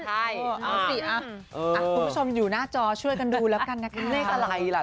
คุณผู้ชมอยู่หน้าจอช่วยกันดูแล้วกันนะครับ